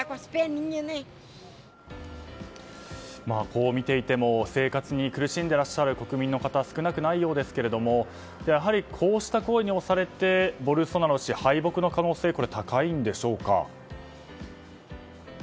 こう見ていても生活に苦しんでらっしゃる国民の方が少なくないようですがやはり、こうした声に押されてボルソナロ氏敗北の可能性は高いんでしょうか？